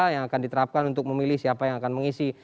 yang akan diterapkan untuk memilih siapa yang akan mengisi